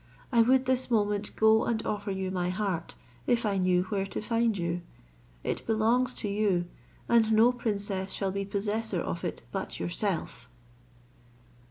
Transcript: I would this moment go and offer you my heart, if I knew where to find you; it belongs to you, and no princess shall be possessor of it but yourself!"